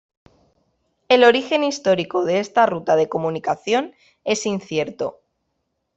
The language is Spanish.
El origen histórico de esta ruta de comunicación es incierto.